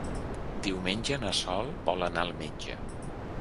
Diumenge na Sol vol anar al metge.